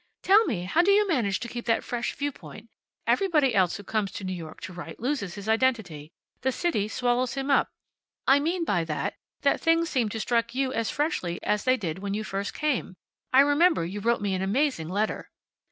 "Tell me, how do you manage to keep that fresh viewpoint? Everybody else who comes to New York to write loses his identity. The city swallows him up. I mean by that, that things seem to strike you as freshly as they did when you first came. I remember you wrote me an amazing letter."